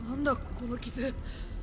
この傷。